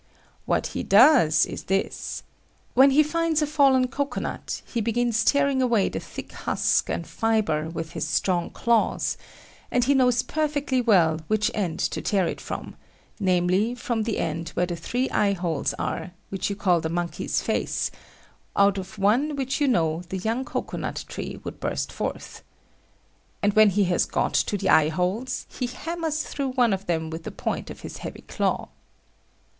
What he does is this: when he finds a fallen cocoa nut, he begins tearing away the thick husk and fibre with his strong claws; and he knows perfectly well which end to tear it from, namely, from the end where the three eye holes are, which you call the monkey's face, out of one of which you know, the young cocoa nut tree would burst forth. And when he has got to the eye holes, he hammers through one of them with the point of his heavy claw.